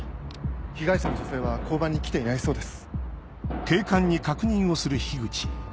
被害者の女性は交番に来ていないそうです。